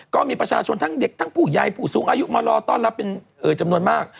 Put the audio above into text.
ก็มีประชาชนทั้งเด็กทั้งผู้ใหญ่ผู้สูงอายุมารอต้อนรับเป็นจำนวนมาก